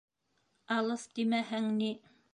Алыҫ тимәһәң ни...